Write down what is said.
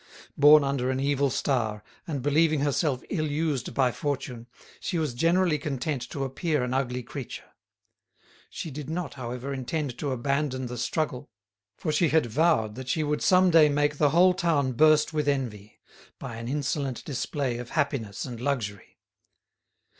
Born under an evil star, and believing herself ill used by fortune, she was generally content to appear an ugly creature. She did not, however, intend to abandon the struggle, for she had vowed that she would some day make the whole town burst with envy, by an insolent display of happiness and luxury.